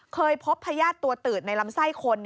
เคยพบพญาติตัวตืดในลำไส้คน